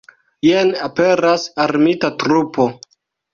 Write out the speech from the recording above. Jen aperas armita trupo.